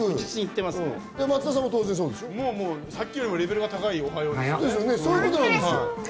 さっきよりもレベルが高いおはようですよ。